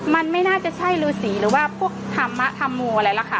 มันไม่น่าจะใช่ลือสีหรือว่าพวกทำอะทำโงห์อะไรล่ะค่ะ